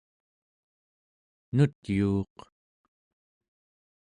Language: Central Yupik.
nutyuuq